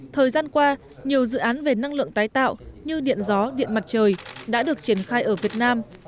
thời gian qua nhiều dự án về năng lượng tái tạo như điện gió điện mặt trời đã được triển khai ở việt nam